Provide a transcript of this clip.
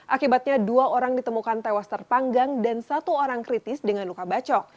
akibatnya dua orang ditemukan tewas terpanggang dan satu orang kritis dengan luka bacok